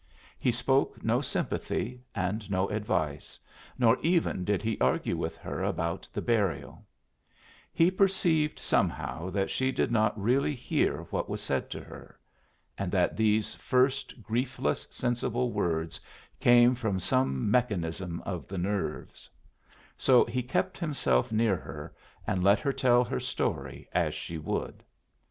He spoke no sympathy and no advice, nor even did he argue with her about the burial; he perceived somehow that she did not really hear what was said to her, and that these first griefless, sensible words came from some mechanism of the nerves; so he kept himself near her, and let her tell her story as she would.